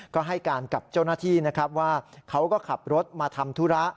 ก็ให้การกับเจ้าหน้าที่นะครับว่าเขาก็ขับรถมาทำธุระ